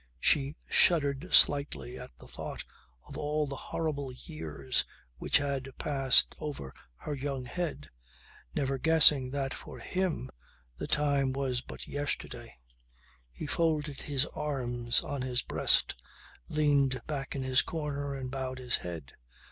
She shuddered slightly at the thought of all the horrible years which had passed over her young head; never guessing that for him the time was but yesterday. He folded his arms on his breast, leaned back in his corner and bowed his head.